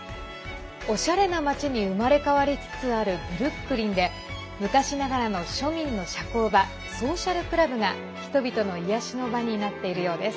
おしゃれな街に生まれ変わりつつあるブルックリンで昔ながらの庶民の社交場ソーシャルクラブが人々の癒やしの場になっているようです。